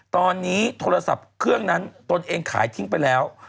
ตอนนี้โทรศัพท์เครื่องนั้นตนเองขายทิ้งไปแล้ว